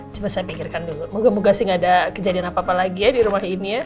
coba saya pikirkan dulu moga moga sih gak ada kejadian apa apa lagi ya di rumah ini ya